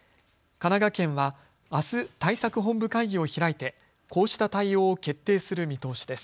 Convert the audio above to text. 神奈川県はあす、対策本部会議を開いてこうした対応を決定する見通しです。